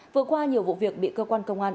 vừa qua nhiều vụ việc bị cơ quan công an